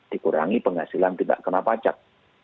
dikurangi penghasilan tidak kena pajak